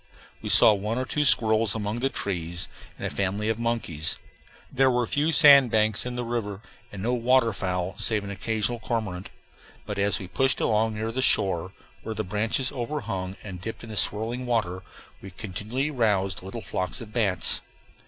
We saw one or two squirrels among the trees, and a family of monkeys. There were few sand banks in the river, and no water fowl save an occasional cormorant. But as we pushed along near the shore, where the branches overhung and dipped in the swirling water, we continually roused little flocks of bats.